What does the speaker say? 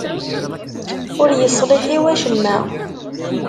Ur iṣliḥ i wacemma.